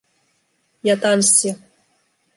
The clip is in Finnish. Ja tanssia.